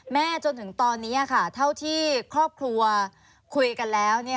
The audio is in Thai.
จนถึงตอนนี้ค่ะเท่าที่ครอบครัวคุยกันแล้ว